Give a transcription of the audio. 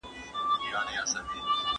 تاته به الله تعالی د خوبونو تعبير وښيي.